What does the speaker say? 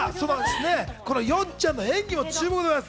よっちゃんの演技も注目です。